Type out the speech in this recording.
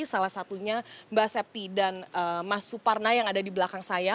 salah satunya mbak septi dan mas suparna yang ada di belakang saya